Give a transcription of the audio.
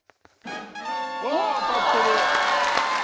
当たってる！